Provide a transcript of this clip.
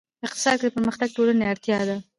اقتصاد کې پرمختګ د ټولنې اړتیا ده.